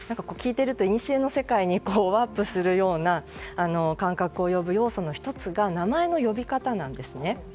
聞いていると、いにしえの世界にワープするような感覚を呼ぶ要素の１つが名前の呼び方なんです。